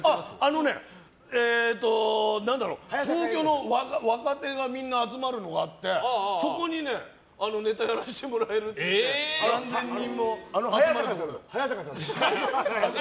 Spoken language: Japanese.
あのね、東京の若手がみんな集まるのがあってそこにネタやらせてもらえるって言って早坂さん。